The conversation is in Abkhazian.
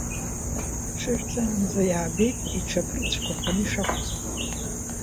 Дҽыжәҵаанӡа иаабеит иҽы аԥрыцәқәа ԥаны ишақәыз.